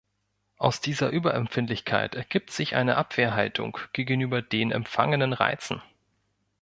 Aus dieser Überempfindlichkeit ergibt sich eine Abwehrhaltung gegenüber den empfangenen Reizen.